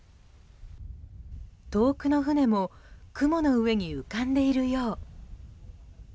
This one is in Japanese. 遠くの船も雲の上に浮かんでいるよう。